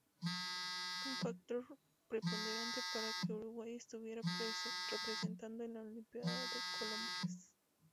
Fue un factor preponderante para que Uruguay estuviera representado en la Olimpiada de Colombes.